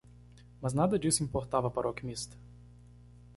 Mas nada disso importava para o alquimista.